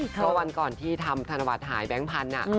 ก็วันก่อนที่ทำธนวัตฯหายแบงก์พันธุ์น่ะ